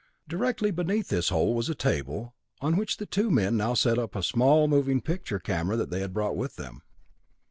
Directly beneath this hole was a table, on which the two men now set up a small moving picture camera they had brought with them.